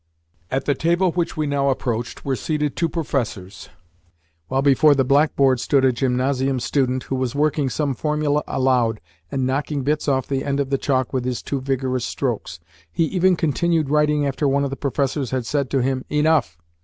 At the table which we now approached were seated two professors, while before the blackboard stood a gymnasium student, who was working some formula aloud, and knocking bits off the end of the chalk with his too vigorous strokes. He even continued writing after one of the Professors had said to him "Enough!"